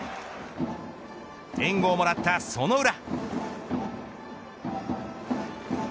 援護をもらったその裏。